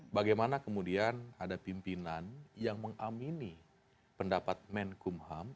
bagaimana kemudian ada pimpinan yang mengamini pendapat menkumham